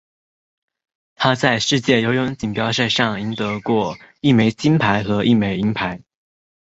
他在世界游泳锦标赛上赢得过一枚金牌和一枚银牌。